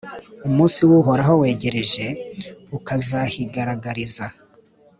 Umunsi w’Uhoraho wegereje, ukazahigaragariza.